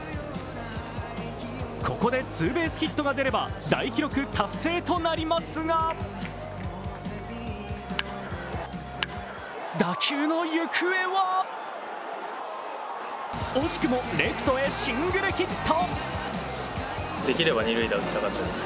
ここでツーベースヒットが出れば大記録達成となりますが打球の行方は惜しくもレフトへシングルヒット。